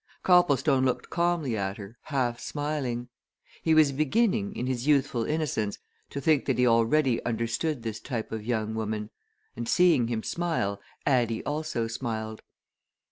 Copplestone looked calmly at her, half smiling; he was beginning, in his youthful innocence, to think that he already understood this type of young woman. And seeing him smile, Addie also smiled.